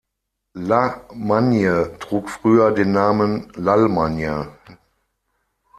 La Magne trug früher den Namen "L'Allemagne".